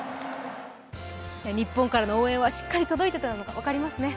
日本からの応援はしっかり届いていたのが分かりますね。